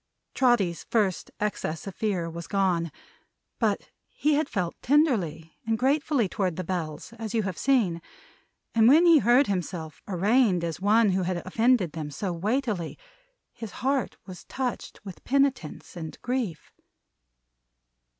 Trotty's first excess of fear was gone. But he had felt tenderly and gratefully toward the Bells, as you have seen; and when he heard himself arraigned as one who had offended them so weightily, his heart was touched with penitence and grief.